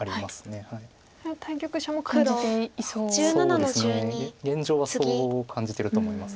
そうですね現状はそう感じてると思います。